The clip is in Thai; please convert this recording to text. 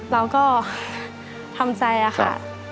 เราก็ทำใจค่ะ